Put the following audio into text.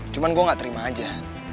cuma gue gak terima aja